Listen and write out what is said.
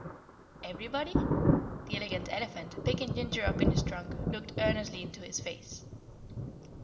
"Everybody?" The Elegant Elephant, picking Ginger up in his trunk, looked earnestly into his face.